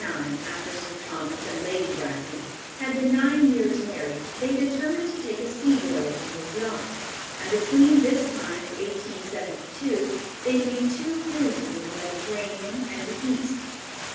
] In 1869, after Sir Thomas and Lady Brassey had been nine years married, they determined to take a sea voyage in his yacht, and between this time and 1872 they made two cruises in the Mediterranean and the East.